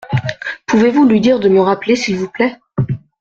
Pouvez-vous lui dire de me rappeler s’il vous plait ?